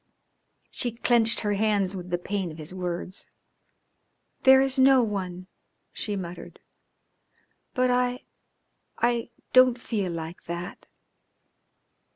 She clenched her hands with the pain of his words. "There is no one," she muttered, "but I I don't feel like that."